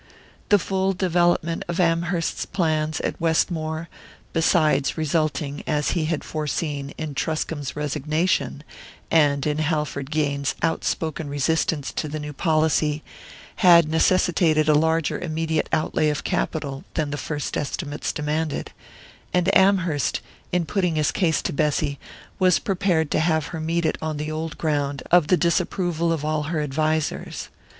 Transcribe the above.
The full development of Amherst's plans at Westmore, besides resulting, as he had foreseen, in Truscomb's resignation, and in Halford Gaines's outspoken resistance to the new policy, had necessitated a larger immediate outlay of capital than the first estimates demanded, and Amherst, in putting his case to Bessy, was prepared to have her meet it on the old ground of the disapproval of all her advisers.